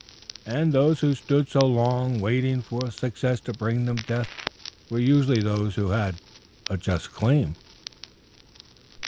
And those who stood so long waiting for success to bring them death were usually those who had a just claim.